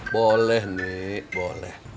boleh nih boleh